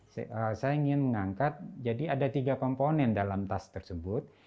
saya ingin mengangkat jadi ada tiga komponen dalam tas tersebut